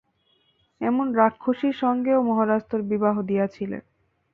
এমন রাক্ষসীর সঙ্গেও মহারাজ তোর বিবাহ দিয়াছিলেন।